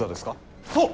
そう！